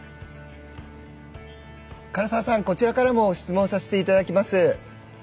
唐澤さん、こちらからも質問させていただきます。